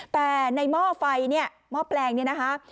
แต่ในหม้อไฟหม้อแปรงนี้นะคะ